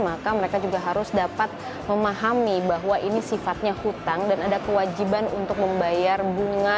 maka mereka juga harus dapat memahami bahwa ini sifatnya hutang dan ada kewajiban untuk membayar bunga